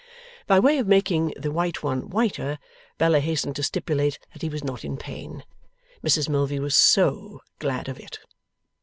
By way of making the white one whiter, Bella hastened to stipulate that he was not in pain. Mrs Milvey was SO glad of it.